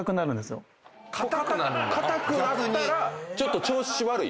硬くなったらちょっと調子悪い？